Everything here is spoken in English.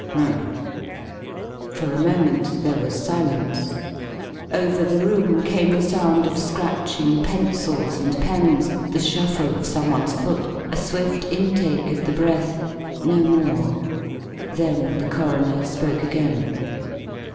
"H'm." For a moment there was silence. Over the room came the sound of scratching pencils and pens, the shuffle of someone's foot, a swift intake of the breath no more. Then the coroner spoke again.